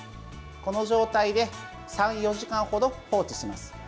この状態で３４時間ほど放置します。